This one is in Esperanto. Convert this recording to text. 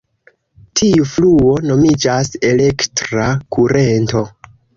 Tiu fluo nomiĝas "elektra kurento".